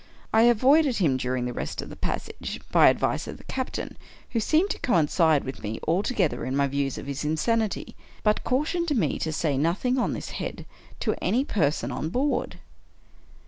I avoided him during the rest of the passage, by advice of the captain, who seemed to coincide with me altogether in my views of his insanity, but cautioned me to say nothing on this head to any person on board.